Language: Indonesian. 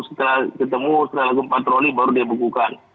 setelah ketemu setelah lagu patroli baru dibukukan